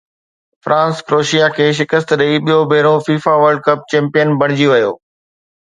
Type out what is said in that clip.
France Croatia کي شڪست ڏئي ٻيو ڀيرو فيفا ورلڊ ڪپ چيمپيئن بڻجي ويو